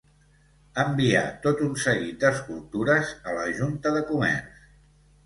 Envià tot un seguit d'escultures a la Junta de Comerç.